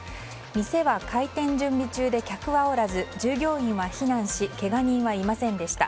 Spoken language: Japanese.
店は、開店準備中で客はおらず従業員は避難しけが人はいませんでした。